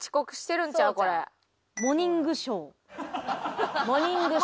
モニングショーや。